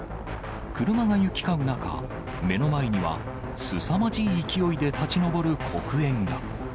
車が行き交う中、目の前にはすさまじい勢いで立ち上る黒煙が。